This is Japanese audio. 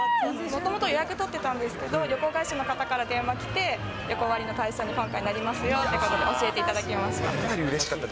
もともと予約取ってたんですけど、旅行会社の方から電話来て、旅行割のプランの対象になりますよって、教えていただきました。